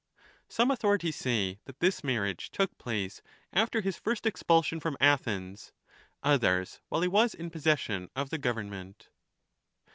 Some autho rities say that this marriage took place after his first expulsion from Athens, others while he was in possession of the government.